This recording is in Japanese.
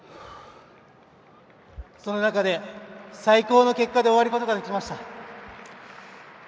その中で、最高の結果で終わることができました。